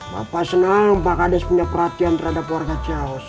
bapak senang pak kades punya perhatian terhadap warga chaos